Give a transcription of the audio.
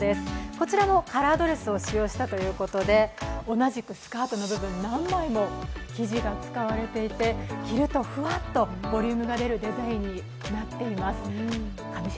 こちらもカラードレスを使用したということで、同じくスカートの部分、何枚も生地が使われていて、着るとふわっとボリュームが出るデザインになっています。